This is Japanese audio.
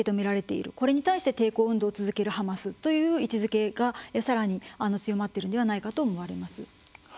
これに対して抵抗運動を続けるハマスという位置づけがさらに強まっているのではないかと思われます。